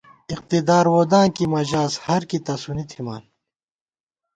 اقتدار ووداں کی مہ ژاس، ہر کی تسُونی تھِمان